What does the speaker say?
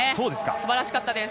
すばらしかったです。